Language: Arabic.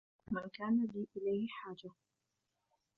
مَنْ كَانَ لِي إلَيْهِ حَاجَةٌ